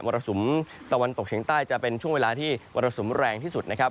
รสุมตะวันตกเฉียงใต้จะเป็นช่วงเวลาที่มรสุมแรงที่สุดนะครับ